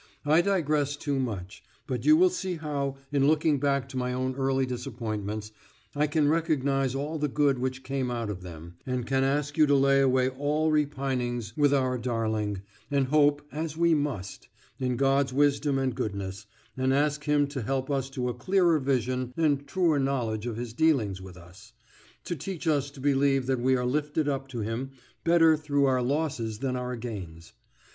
I digress too much; but you will see how, in looking back to my own early disappointments, I can recognise all the good which came out of them, and can ask you to lay away all repinings with our darling, and hope (as we must) in God's wisdom and goodness, and ask him to help us to a clearer vision and truer knowledge of his dealings with us; to teach us to believe that we are lifted up to him better through our losses than our gains.